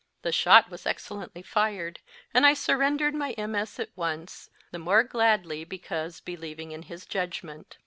The shot was excellently fired, and I surrendered my MS. at once, the more gladly because believing in his judgment.